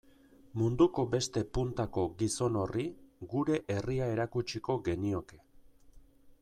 Munduko beste puntako gizon horri gure herria erakutsiko genioke.